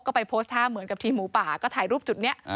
ก็ไปโพสต์ท่าเหมือนกับทีมหมูป่าก็ถ่ายรูปจุดนี้